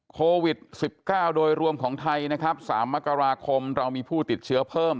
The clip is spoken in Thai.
โควิด๑๙โดยรวมของไทยนะครับ๓มกราคมเรามีผู้ติดเชื้อเพิ่ม